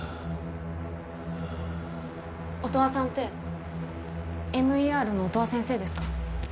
音羽さんってＭＥＲの音羽先生ですか？